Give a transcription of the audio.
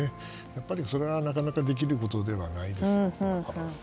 やっぱり、それはなかなかできることではないでしょうから。